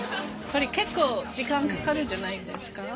これ結構時間かかるんじゃないんですか？